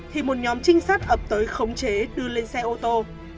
thì một nhóm trinh sát ập tới khống chế đưa lên xe ô tô